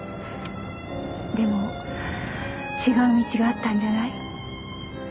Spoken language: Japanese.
でも違う道があったんじゃない？